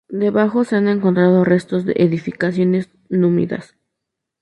Debajo se han encontrado restos de edificaciones númidas.